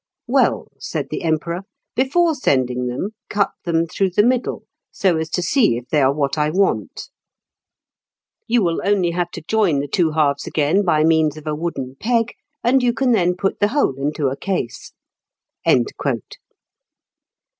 'Well,' said the Emperor, 'before sending them, cut them through the middle, so as to see if they are what I want; you will only have to join the two halves again by means of a wooden peg, and you can then put the whole into a case.'"